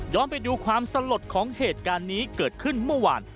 ไปดูความสลดของเหตุการณ์นี้เกิดขึ้นเมื่อวาน